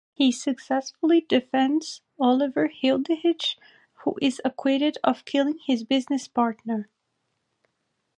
He successfully defends Oliver Hilditch who is acquitted of killing his business partner.